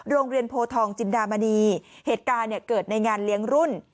โรงเรียนโพทองจินดามณีเหตุการณ์เนี่ยเกิดในงานเลี้ยงรุ่น